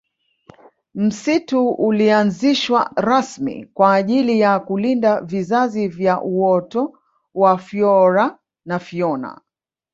msitu ulianzishwa rasmi kwa ajili ya kulinda vizazi vya uoto wa foora na fiona